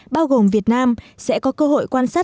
bao gồm việt nam trung quốc trung quốc trung quốc và trung quốc